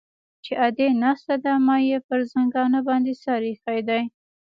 چې ادې ناسته ده ما يې پر زنګانه باندې سر ايښى دى.